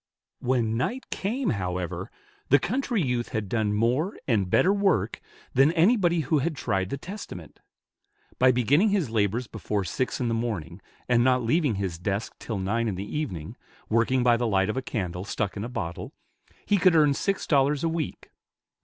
When night came, however, the country youth had done more and better work, than anybody who had tried the Testament. By beginning his labors before six in the morning, and not leaving his desk till nine in the evening, working by the light of a candle stuck in a bottle, he could earn six dollars a week.